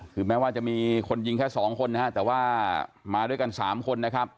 คือแม้ว่าจะมีคนยิงแค่สองคนนะฮะแต่ว่ามาด้วยกัน๓คนนะครับ